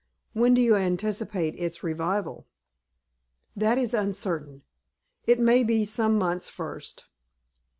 "When do you anticipate its revival?" "That is uncertain. It may be some months first."